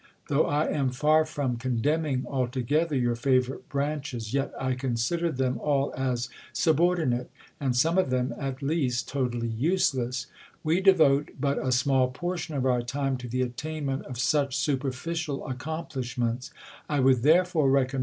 Though I am far from condemning altogether your favourite branches, yet I consider them all as subordinate, and some of them, at least, totally useless. We devote but a small portion of our time to the attainment of such superficial accomplishments. I would therefore recom mend THE COLUMBIAN ORATOR.